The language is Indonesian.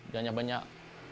dan yang banyak